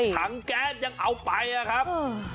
ถังแก๊สยังเอาไปนะครับ